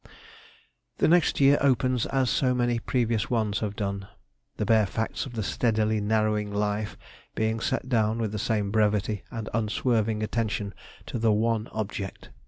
The next year opens, as so many previous ones have done. The bare facts of the steadily narrowing life being set down with the same brevity and unswerving attention to the one object.